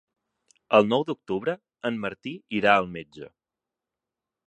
El nou d'octubre en Martí irà al metge.